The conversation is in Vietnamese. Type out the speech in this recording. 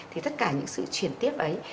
thì tất cả những sự chuyển tiếp ấy